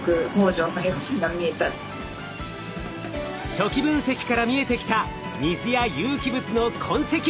初期分析から見えてきた水や有機物の痕跡。